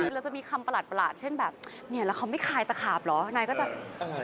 แล้วจะมีคำประหลาดเช่นแบบเนี่ยแล้วเค้าไม่คลายตระขาบเหรอนางก็จะอะไรอ่ะ